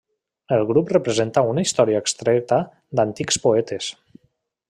El grup representa una història extreta d'antics poetes.